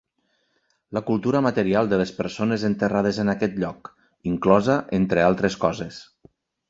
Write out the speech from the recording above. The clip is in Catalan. La cultura material de les persones enterrades en aquest lloc, inclosa entre altres coses